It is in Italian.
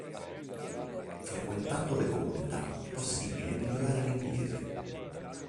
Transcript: Frequentando le comunità è possibile migliorare l’inglese